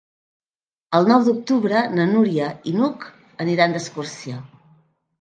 El nou d'octubre na Núria i n'Hug aniran d'excursió.